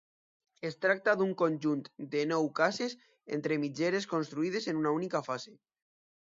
Es tracta d'un conjunt de nou cases entre mitgeres construïdes en una única fase.